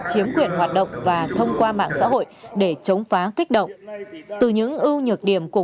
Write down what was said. chiếm quyền hoạt động và thông qua mạng xã hội để chống phá kích động từ những ưu nhược điểm của